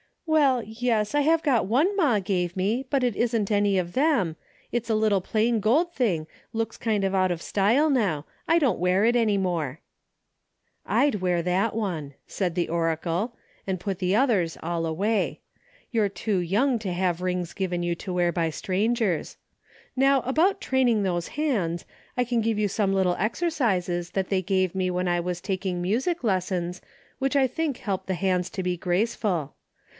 " Well, yes, I have got one ma give me, but it isn't any of them. It's a little plain gold thing, looks kind of out of style now. I don't wear it any more." " I'd wear that one," said the oracle, " and 234 A DAILY bate:: put the others all away. You're too young to have rings given you to wear by strangers, ^^'ow about training those hands, I can give you some little exercises that tliey gave me when I was taking music lessons, which I think help the hands to be graceful.